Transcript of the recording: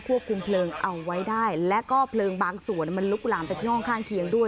ควบคุมเพลิงเอาไว้ได้แล้วก็เพลิงบางส่วนมันลุกลามไปที่ห้องข้างเคียงด้วย